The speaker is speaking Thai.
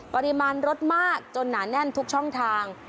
ปริมาณรถมากจนหนาแน่นทุกช่องทาง